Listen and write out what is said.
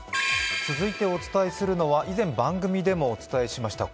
続いてお伝えするのは以前、番組でもお伝えしました